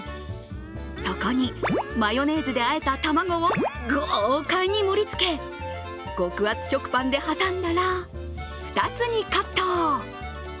そこにマヨネーズであえた卵を豪快に盛りつけ極厚食パンで挟んだら、２つにカット。